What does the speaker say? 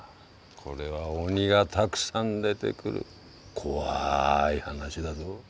これは鬼がたくさん出てくる怖い話だぞ？